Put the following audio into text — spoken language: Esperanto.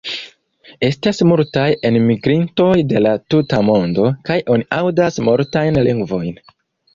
Estas multaj enmigrintoj de la tuta mondo, kaj oni aŭdas multajn lingvojn.